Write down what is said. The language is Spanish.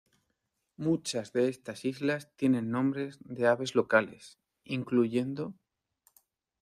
Muchas de estas islas tienen nombres de aves locales, incluyendo.